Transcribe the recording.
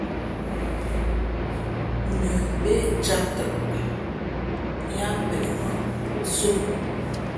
Nʉα bé cāt tαʼ, yáā peʼ mά pō sō.